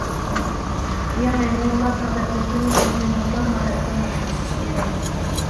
يېڭى نورمال ھالەتنى تونۇپ، يېڭى نورمال ھالەتكە ماسلىشىش كېرەك.